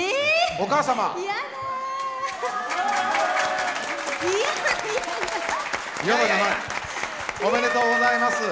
おめでとうございます。